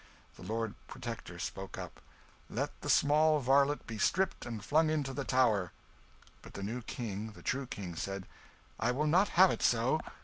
The Lord Protector spoke up "Let the small varlet be stripped and flung into the Tower." But the new King, the true King, said "I will not have it so.